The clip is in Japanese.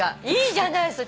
いいじゃない。